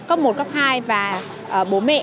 cấp một cấp hai và bố mẹ